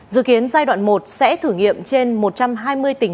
dự kiến giai đoạn một sẽ thử nghiệm trên một trăm hai mươi tỷ